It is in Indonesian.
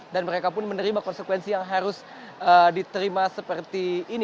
dan mereka pun menerima konsekuensi yang harus diterima seperti ini